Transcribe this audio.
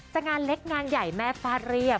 งานเล็กงานใหญ่แม่ฟาดเรียบ